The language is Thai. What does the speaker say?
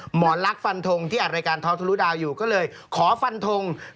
หมอลักษณฟันทงที่อัดรายการท็อกทะลุดาวอยู่ก็เลยขอฟันทง